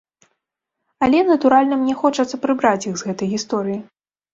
Але, натуральна, мне хочацца прыбраць іх з гэтай гісторыі.